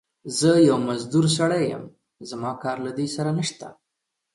زه يو مزدور سړی يم، زما کار له دې سره نشته.